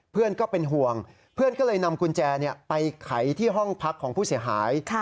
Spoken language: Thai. ก็เป็นห่วงเพื่อนก็เลยนำกุญแจไปไขที่ห้องพักของผู้เสียหาย